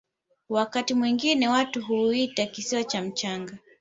wakati mwingine watu hukiita kisiwa cha mchanga